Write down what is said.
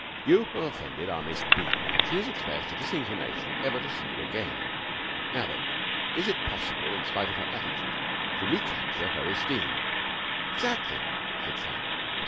You have offended our Miss B. and she has expressed a disinclination ever to see you again. How, then, is it possible, in spite of her attitude, to recapture her esteem?" "Exactly," said Sam.